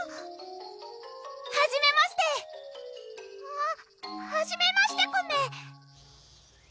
はじめましてははじめましてコメ！